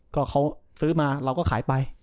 ก็เขาซื้อมาเราก็ขายไป